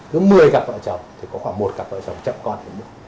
thứ một mươi gặp vợ chồng thì có khoảng một gặp vợ chồng chậm con